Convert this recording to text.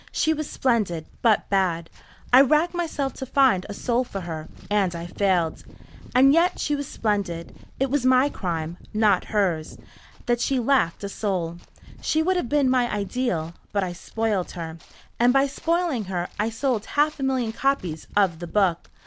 "She was splendid but bad. I racked myself to find a soul for her, and I failed. And yet she was splendid. It was my crime not hers that she lacked a soul. She would have been my ideal, but I spoiled her. And by spoiling her I sold half a million copies of the book.